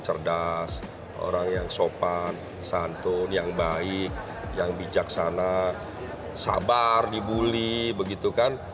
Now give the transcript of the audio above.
cerdas orang yang sopan santun yang baik yang bijaksana sabar dibully begitu kan